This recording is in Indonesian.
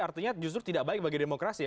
artinya justru tidak baik bagi demokrasi